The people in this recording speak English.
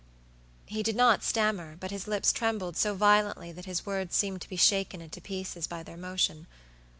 He did not stammer, but his lips trembled so violently that his words seemed to be shaken into pieces by their motion.